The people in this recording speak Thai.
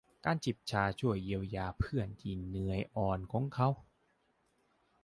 การจิบชาช่วยเยียวยาเพื่อนที่เหนื่อยอ่อนของเขา